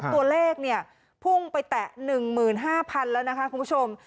ตัวเลขเนี่ยพุ่งไปแตะหนึ่งหมื่นห้าพันแล้วนะคะคุณผู้ชม